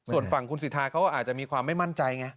ส่วนฝั่งคุณสิทธาเขาอาจจะมีความไม่มั่นใจไง